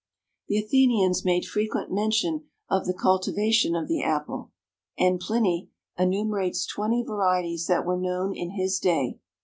The Athenians made frequent mention of the cultivation of the Apple, and Pliny enumerates twenty varieties that were known in his day.